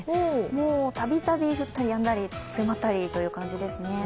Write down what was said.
もうたびたび降ったりやんだり強まったりという感じですね。